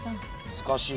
難しい。